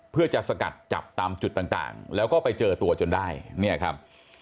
เพื่อจะสกัดจับตามจุดต่างแล้วก็ไปเจอตัวจนได้เนี่ยครับ